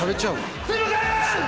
すいませーん‼